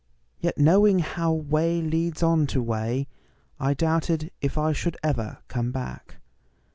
Yet knowing how way leads on to way,I doubted if I should ever come back.